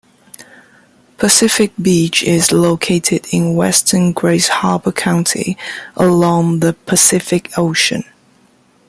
Pacific Beach is located in western Grays Harbor County, along the Pacific Ocean.